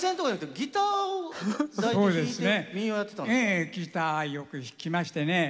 ギターよく弾きましてね